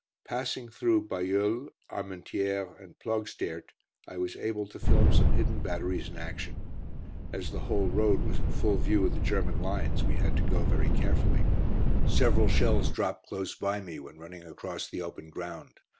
Passing through Bailleul, Armentières and Ploegsteert, I was able to film some hidden batteries in action. As the whole road was in full view of the German lines we had to go very carefully. Several shells dropped close by me when running across the open ground.